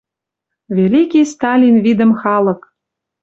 Великий Сталин видӹм халык